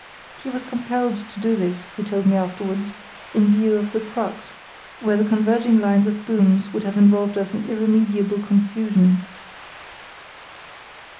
He was compelled to do this, he told me afterwards, in view of the crux, where the converging lines of booms would have involved us in irremediable confusion.